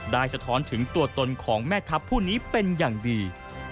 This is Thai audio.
สะท้อนถึงตัวตนของแม่ทัพผู้นี้เป็นอย่างดี